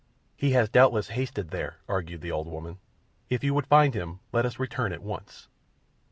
"He has doubtless hastened there," argued the old woman. "If you would find him let us return at once."